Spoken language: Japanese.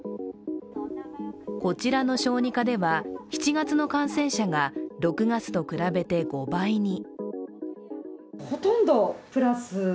こちらの小児科では７月の感染者が６月と比べて５倍に。